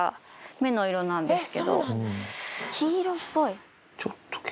黄色っぽい。